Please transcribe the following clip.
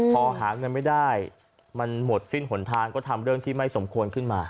พอหาเงินไม่ได้มันหมดสิ้นหนทางก็ทำเรื่องที่ไม่สมควรขึ้นมา